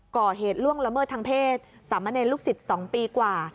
ก่อเหตุล่วงละเมิดทางเพศสามเณรลูกศิษย์๒ปีกว่า